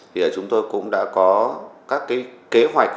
thì chúng tôi cũng đã có các kế hoạch